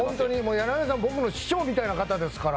柳原さんは僕の師匠みたいな人ですから。